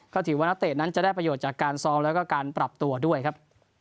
ก็ถือว่านักเตะนั้นจะได้ประโยชน์จากการซ้อมแล้วก็การปรับตัวด้วยครับ